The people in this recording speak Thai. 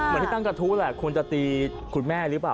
เหมือนที่ตั้งกระทู้แหละควรจะตีคุณแม่หรือเปล่า